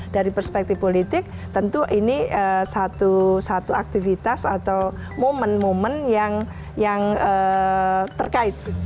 dari perspektif politik tentu ini satu aktivitas atau momen momen yang terkait